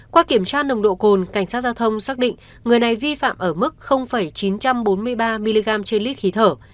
qua kiểm tra nồng độ cồn cảnh sát giao thông xác định người này vi phạm ở mức chín trăm bốn mươi ba mg trên lít khí thở